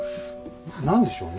何でしょうね？